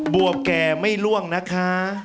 วบแก่ไม่ล่วงนะคะ